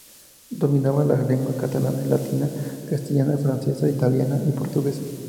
Dominaba las lenguas catalana, latina, castellana, francesa, italiana y portuguesa.